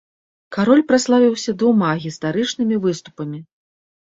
Кароль праславіўся двума гістарычнымі выступамі.